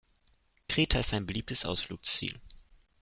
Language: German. Kreta ist ein beliebtes Ausflugsziel.